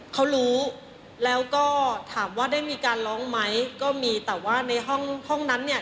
เขารู้แล้วก็ถามว่าได้มีการร้องไหมก็มีแต่ว่าในห้องห้องนั้นเนี่ย